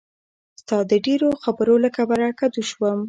ستا د ډېرو خبرو له کبله کدو شوم.